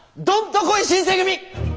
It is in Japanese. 「どんと来い新選組！」。